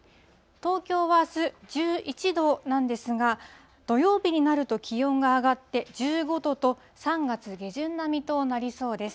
東京はあす、１１度なんですが、土曜日になると気温が上がって１５度と、３月下旬並みとなりそうです。